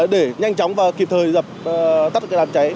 để nhanh chóng và kịp thời tắt cái làm cháy